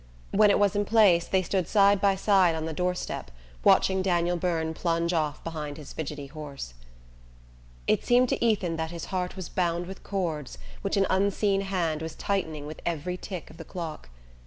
When it was in place they stood side by side on the door step, watching Daniel Byrne plunge off behind his fidgety horse. It seemed to Ethan that his heart was bound with cords which an unseen hand was tightening with every tick of the clock.